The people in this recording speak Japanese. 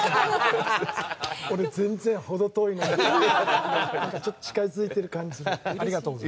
俺、全然程遠いのにちょっと近づいている感じ。